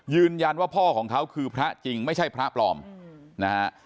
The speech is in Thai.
พ่อของเขาคือพระจริงไม่ใช่พระปลอมนะฮะ